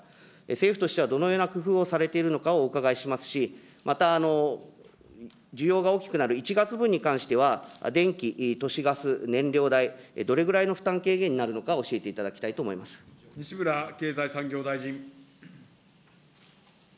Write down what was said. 政府としてはどのような工夫をされているのかをお伺いしますし、また需要が大きくなる１月分に関しましては電気、都市ガス、燃料代、どれぐらいの負担軽減になるのか、教えていただきたいと思い西村経済産業大臣。